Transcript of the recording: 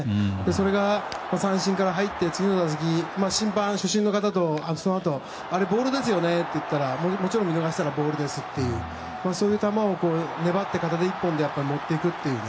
それが三振から入って次の打席審判、主審の方とあれ、ボールですよねと言っていたらもちろん見逃したらボールですというそういう球を粘って片手一本で持っていく。